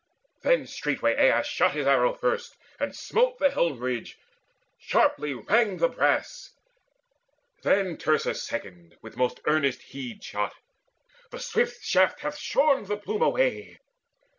Then straightway Aias shot his arrow first, And smote the helm ridge: sharply rang the brass. Then Teucer second with most earnest heed Shot: the swift shaft hath shorn the plume away.